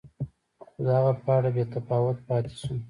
خو د هغه په اړه بې تفاوت پاتې شو.